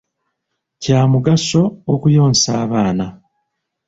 Kya mugaso okuyonsa abaana.